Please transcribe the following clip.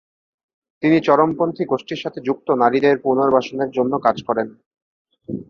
তিনি চরমপন্থী গোষ্ঠীর সাথে যুক্ত নারীদের পুনর্বাসনের জন্য কাজ করেন।